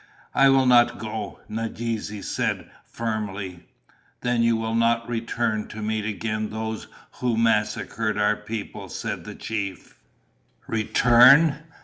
"I will not go," Nadeze said firmly. "Then you will not return to meet again those who massacred our people," said the chief. "Return?"